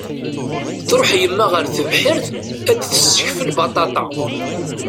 Tṛuḥ yemma ɣer tebḥirt ad d-tessekfel baṭaṭa.